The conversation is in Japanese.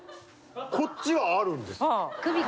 こっちはあるんですよ。